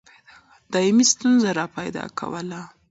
دایمي ستونزه را پیدا کوله.